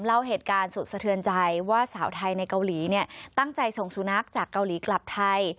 เล่าเหตุการณ์สุดสะเทือนใจว่าสาวไทยในเกาหลีเนี่ยตั้งใจส่งสุนัขจากเกาหลีกลับไทย